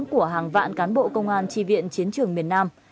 của hàng vạn cán bộ công an tri viện chiến trường miền nam